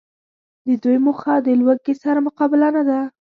د دوی موخه د لوږي سره مقابله نده